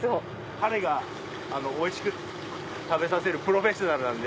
彼がおいしく食べさせるプロフェッショナルなんで。